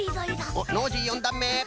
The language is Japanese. おっノージー４だんめ。